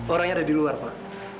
orangnya ada di luar pak